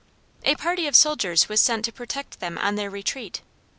A party of soldiers was sent to protect them on their retreat.